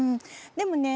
でもね